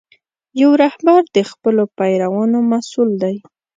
یو رهبر د خپلو پیروانو مسؤل دی.